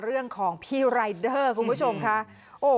เรื่องของพี่รายเดอร์คุณผู้ชมค่ะ